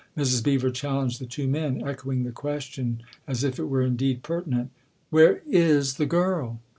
Mrs. Beever challenged the two men, echoing the question as if it were indeed pertinent. " Where is the girl